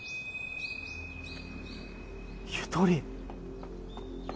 ゆとり！？